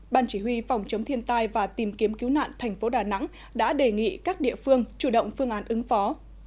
ban chỉ huy phòng chống thiên tai và tìm kiếm cứu nạn thành phố đà nẵng đã đề nghị các địa phương chủ động phương án ứng phó